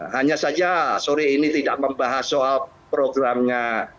hanya saja sore ini tidak membahas soal programnya